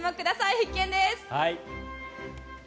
必見です。